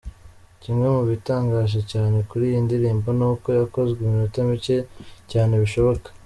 Kimwe mu bitangaje cyane kuri iyi ndirimbo ni uko yakozwe iminota mike cyane bishoboka.